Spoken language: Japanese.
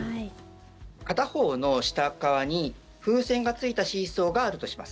片方の下側に風船がついたシーソーがあるとします。